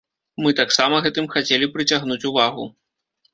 Мы таксама гэтым хацелі прыцягнуць увагу.